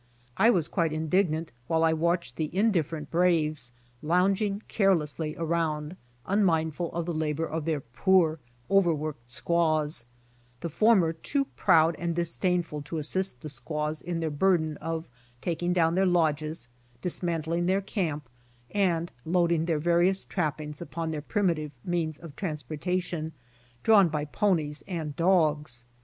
I was quite indignant while I watched the indifferent braves lounging carelessly around, un mindful of the labor of their poor, overworked squaws — the former too proud and disdainful to assist thesquaws in their burden of taking down their lodges, dismantling their camp, and loading their various 66 BY ox TEAM TO CALIFORNIA trappings upon their primitive means of transporta tion, drawn by ponies and dogs.